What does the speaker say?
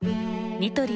ニトリ